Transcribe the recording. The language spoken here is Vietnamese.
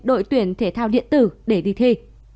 đội tuyển thể thao điện tử để đi thi